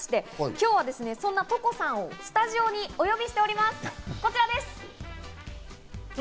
今日はそんなトコさんをスタジオにお呼びしております。